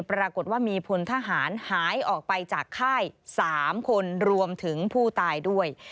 ปรากฏว่ามีพลทหารหายออกไปจากค่าย๓คนรวมถึงผู้ตายด้วย